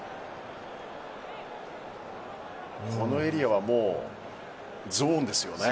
このエリアはもうゾーンですよね。